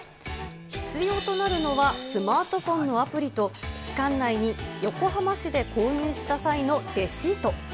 必要となるのはスマートフォンのアプリと期間内に横浜市で購入した際のレシート。